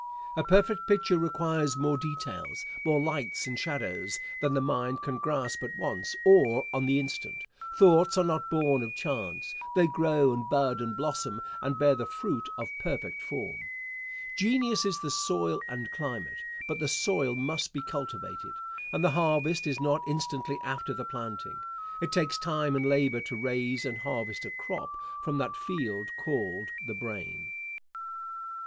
A perfect picture requires more details, more lights and shadows, than the mind can grasp at once, or on the instant. Thoughts are not born of chance. They grow and bud and blossom, and bear the fruit of perfect form. Genius is the soil and climate, but the soil must be cultivated, and the harvest is not instantly after the planting. It takes time and labor to raise and harvest a crop from that field called the brain. Question.